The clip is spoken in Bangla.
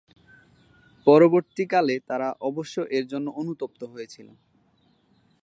পরবর্তীকালে তারা অবশ্য এর জন্য অনুতপ্ত হয়েছিল।